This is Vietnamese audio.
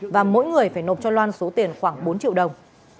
và mỗi người phải nộp cho loan số tiền khoảng bốn triệu đồng